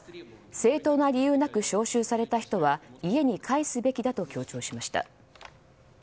正当な理由なく招集された人は家に帰すべきだと強調しました。